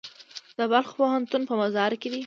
د بلخ پوهنتون په مزار کې دی